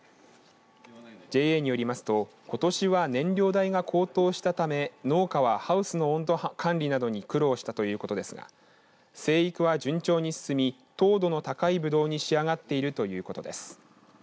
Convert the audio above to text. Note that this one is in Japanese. ＪＡによりますとことしは燃料代が高騰したため農家はハウスの温度管理などに苦労したということですが生育は順調に進み糖度の高いブドウに仕上がっているということです。